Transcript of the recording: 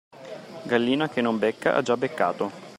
Gallina che non becca ha già beccato.